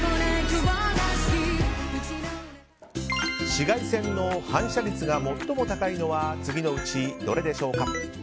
紫外線の反射率が最も高いのは次のうちどれでしょうか？